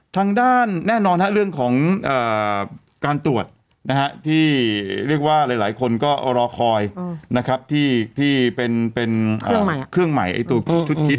ทางด้านแน่นอนเรื่องของการตรวจที่เรียกว่าหลายคนก็รอคอยนะครับที่เป็นเครื่องใหม่ตัวชุดคิด